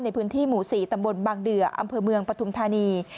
ในพื้นที่หมู่๔ตำบลบางเดืออำเภอเมืองปฐุมธานี